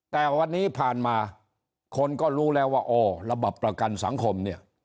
แต่วันนี้ผ่านมาคนก็รู้แล้วว่าอ๋อระบบประกันสังคมเนี่ย